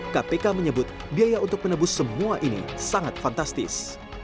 kpk menyebut biaya untuk menebus semua ini sangat fantastis